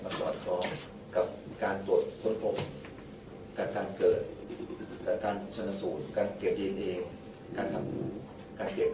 ถ้าเราปการถ้าทำบางชื่อเองเนี่ยเอาสมนติจากสูตรเอาผลการแพทย์มาดู